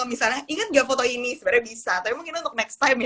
misalnya ingat nggak foto ini sebenarnya bisa tapi mungkin untuk next time ya